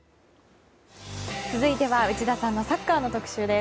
続いては内田さんのサッカーの特集です。